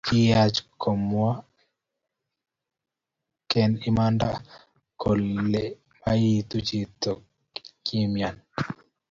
Kiyach komaken imanda kolee mayaitu chichoton kimyani